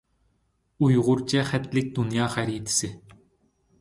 ئۇيغۇرچە خەتلىك دۇنيا خەرىتىسى.